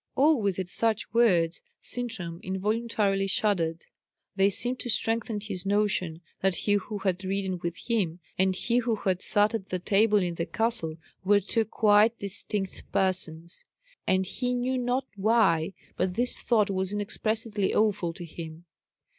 Always at such words Sintram involuntarily shuddered; they seemed to strengthen his notion that he who had ridden with him, and he who had sat at table in the castle, were two quite distinct persons; and he knew not why, but this thought was inexpressibly awful to him.